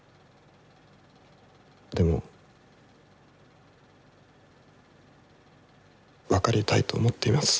でも分かりたいと思っています。